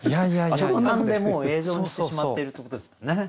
直感でもう映像にしてしまっているってことですもんね。